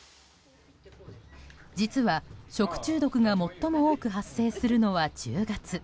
実は、食中毒が最も多く発生するのは１０月。